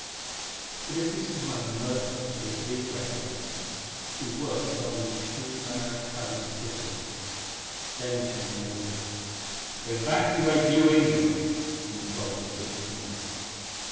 But if we smiled mirthlessly at these recollections we worked while we chewed on our cud of bitterness. There came an order: "Evacuate New England," and the job was given to me.